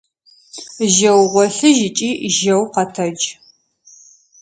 Жьэу гъолъыжь ыкӏи жьэу къэтэдж!